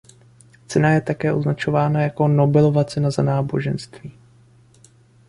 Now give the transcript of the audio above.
Cena je také označována jako „Nobelova cena za náboženství“.